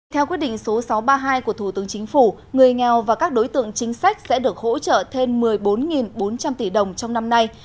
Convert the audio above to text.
theo quyết định số sáu trăm ba mươi hai của thủ tướng chính phủ người nghèo và các đối tượng chính sách sẽ được hỗ trợ thêm một mươi bốn bốn trăm linh tỷ đồng trong năm nay